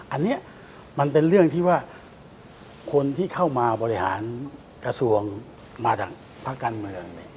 อันนี้มันเป็นเรื่องที่ว่าคนที่เข้ามาบริหารกระทรวงมาจากภาคการเมือง